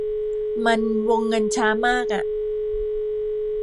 มัน วงเงินช้ามากอะ